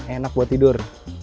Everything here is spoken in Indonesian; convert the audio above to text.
enak buat tidur